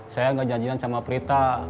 saya nggak janjian sama prita